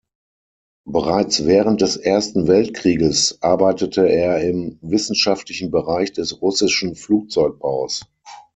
Bereits während des Ersten Weltkrieges arbeitete er im wissenschaftlichen Bereich des russischen Flugzeugbaus.